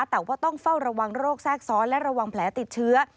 แต่ว่าต้องเฝ้าระวังโรคแทรกซ้อนและระวังแผลติดเชื้อ